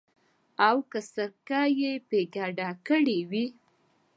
او که سرکه یې په ګېډه کې وي.